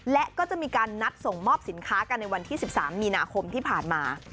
และก็จะมีการนัดส่งมอบสินค้ากันในวันที่๑๓มีนาคมที่ผ่านมา